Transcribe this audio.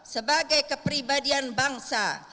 sebagai kepribadian bangsa